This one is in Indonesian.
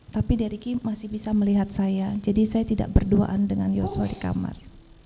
tapi derik masih bisa melihat saya jadi saya tidak berduaan dengan yosua di kamar